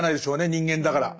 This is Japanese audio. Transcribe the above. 人間だから。